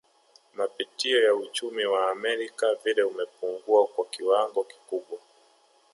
Mapitio ya uchumi wa Amerika vile umepungua kwa kiwango kikubwa